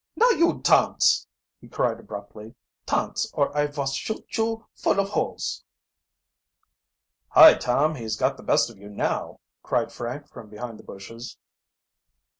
"Now you tance!" he cried abruptly. "Tance, or I vos shoot you full of holes!" "Hi, Tom; he's got the best of you now!" cried Frank from behind the bushes.